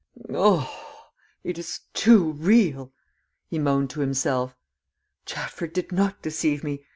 "It is too real!" he moaned to himself. "Chatford did not deceive me.